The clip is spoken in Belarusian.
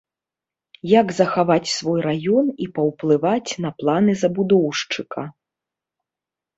Як захаваць свой раён і паўплываць на планы забудоўшчыка.